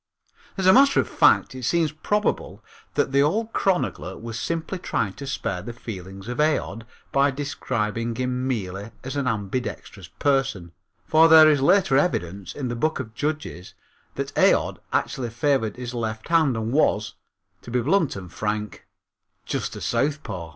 As a matter of fact, it seems probable that the old chronicler was simply trying to spare the feelings of Aod by describing him merely as an ambidextrous person, for there is later evidence, in the Book of Judges, that Aod actually favored his left hand and was to be blunt and frank just a southpaw.